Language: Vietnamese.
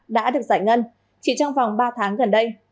đã được giải ngân chỉ trong vòng ba tháng gần đây